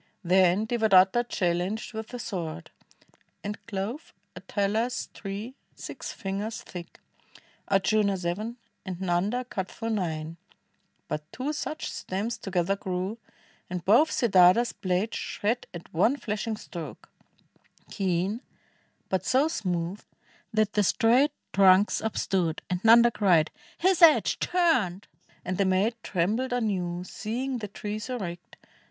Then Devadatta challenged with the sword, And clove a Talas tree six fingers thick; Ardjuna seven; and Xanda cut through nine; But two such stems together grew, and both Siddartha's blade shred at one flashing stroke, Keen, but so smooth that the straight trunks upstood, And Xanda cried. '"His edge turned I" and the maid Trembled anew, seeing the trees erect.